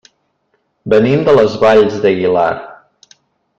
Venim de les Valls d'Aguilar.